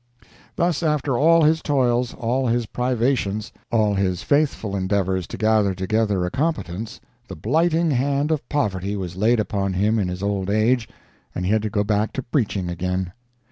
Thus, after all his toils, all his privations, all his faithful endeavors to gather together a competence, the blighting hand of poverty was laid upon him in his old age and he had to go back to preaching again.